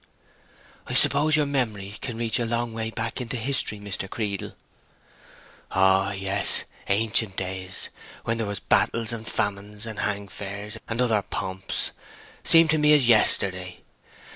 "I s'pose your memory can reach a long way back into history, Mr. Creedle?" "Oh yes. Ancient days, when there was battles and famines and hang fairs and other pomps, seem to me as yesterday.